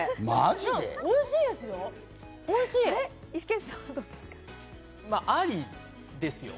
おいしいですよ。